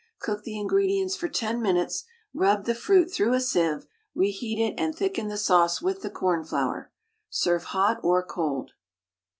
Cook the ingredients for 10 minutes, rub the fruit through a sieve, re heat it, and thicken the sauce with the cornflour. Serve hot or cold.